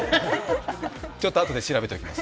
ちょっとあとで調べておきます。